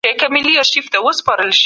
ما تېره اونۍ ډېر معلومات راټول کړي وو.